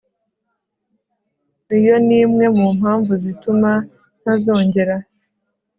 Iyo ni imwe mu mpamvu zituma ntazongera